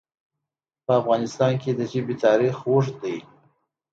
په افغانستان کې د ژبې تاریخ اوږد دی.